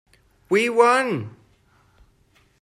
We won!